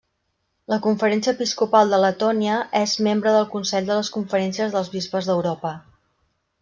La Conferència episcopal de Letònia és membre del Consell de les conferències dels bisbes d'Europa.